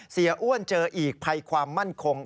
อ้วนเจออีกภัยความมั่นคง